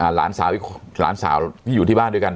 หลานสาวที่อยู่ที่บ้านด้วยกัน